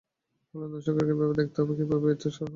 ফলে নতুন সরকারকে ভেবে দেখতে হবে, কীভাবে এর সুরাহা করা যায়।